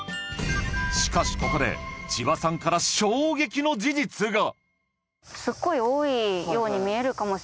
しかしここで千葉さんから衝撃の事実が！